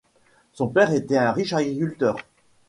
Son père était un riche agriculteur.